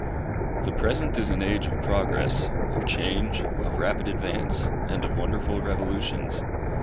The present is an age of progress, of change, of rapid advance, and of wonderful revolutions.